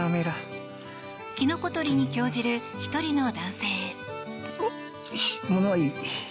キノコ採りに興じる１人の男性。